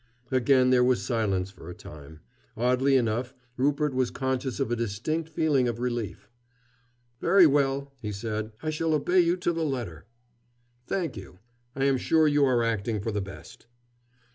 Again there was silence for a time. Oddly enough, Rupert was conscious of a distinct feeling of relief. "Very well," he said at last. "I shall obey you to the letter." "Thank you. I am sure you are acting for the best."